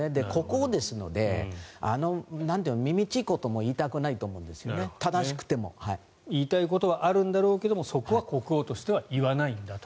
国王ですので、みみっちいことは言いたくないと思うんです言いたいことはあるんだろうけどそこは国王としては言わないと。